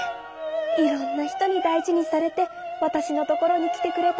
いろんな人に大事にされてわたしのところにきてくれたのね！